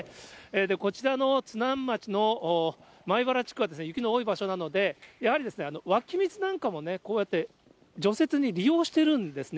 こちらの津南町のまいばら地区は雪の多い場所なので、やはり、湧き水なんかもこうやって除雪に利用してるんですね。